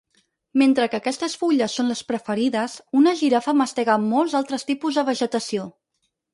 Mentre que aquestes fulles són les preferides, una girafa mastega molts altres tipus de vegetació.